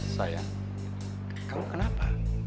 sayang kamu kenapa